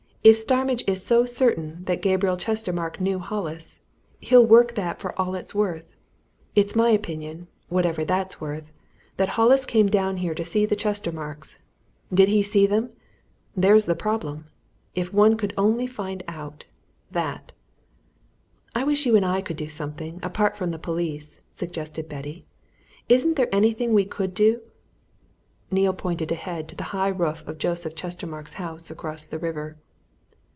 If Starmidge is so certain that Gabriel Chestermarke knew Hollis, he'll work that for all it's worth. It's my opinion whatever that's worth! that Hollis came down here to see the Chestermarkes. Did he see them? There's the problem. If one could only find out that!" "I wish you and I could do something apart from the police," suggested Betty. "Isn't there anything we could do?" Neale pointed ahead to the high roof of Joseph Chestermarke's house across the river.